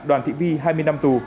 đoàn thị vy hai mươi năm tù